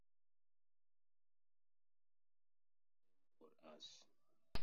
The protagonist justifies this with the belief that it was them or us.